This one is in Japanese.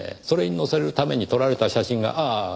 それに載せるために撮られた写真がああ